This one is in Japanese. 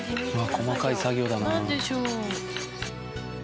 細かい作業だなあ。